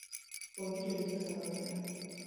Puonjri tiyo gi pesa maber